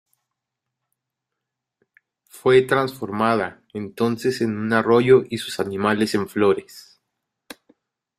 Fue transformada entonces en un arroyo y sus animales en flores.